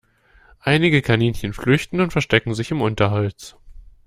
Einige Kaninchen flüchten und verstecken sich im Unterholz.